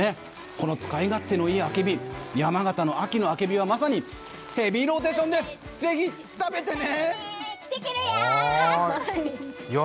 この使い勝手のいいあけび、山形の秋のあけび、まさに、ヘビーローテーションです。来てけれや！！